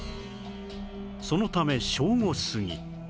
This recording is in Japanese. そのため正午過ぎ